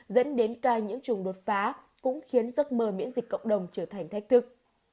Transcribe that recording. dẫn đến ca nhiễm trùng đột phá cũng khiến giấc mơ miễn dịch cộng đồng trở thành thách thức